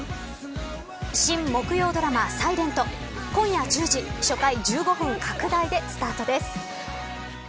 新木曜ドラマ、ｓｉｌｅｎｔ今夜１０時初回１５分拡大でスタートです。